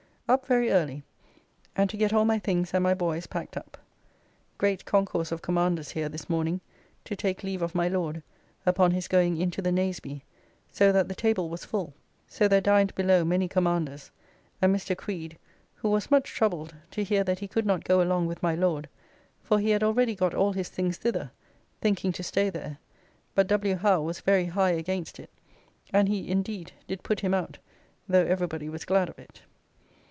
Up very early, and to get all my things and my boy's packed up. Great concourse of commanders here this morning to take leave of my Lord upon his going into the Nazeby, so that the table was full, so there dined below many commanders, and Mr. Creed, who was much troubled to hear that he could not go along with my Lord, for he had already got all his things thither, thinking to stay there, but W. Howe was very high against it, and he indeed did put him out, though everybody was glad of it.